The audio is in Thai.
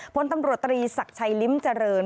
พลตำรวจตรีศักดิ์ชัยลิ้มเจริญ